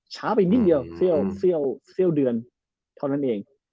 ช้าไปนิดเดียวเสี้ยวเดือนเท่านั้นเอง